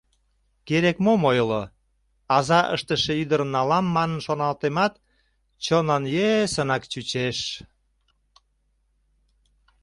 Керек-мом ойло: аза ыштыше ӱдырым налам манын шоналтемат, чонлан йӧсынак чучеш...